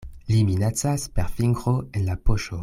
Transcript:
Li minacas per fingro en la poŝo.